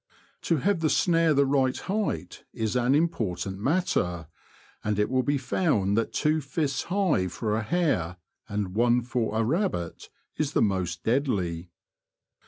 To have the snare the right height is an important matter ; and it will be found that two fists high for a hare, and one for a rabbit, is the most deadly.